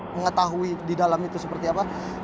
mengetahui di dalam itu seperti apa